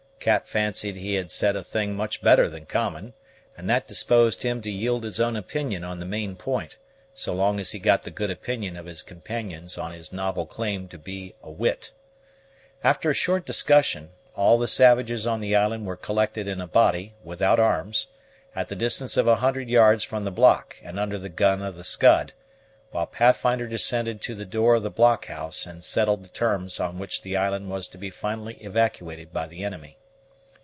Cap fancied he had said a thing much better than common; and that disposed him to yield his own opinion on the main point, so long as he got the good opinion of his companions on his novel claim to be a wit. After a short discussion, all the savages on the island were collected in a body, without arms, at the distance of a hundred yards from the block, and under the gun of the Scud; while Pathfinder descended to the door of the blockhouse and settled the terms on which the island was to be finally evacuated by the enemy.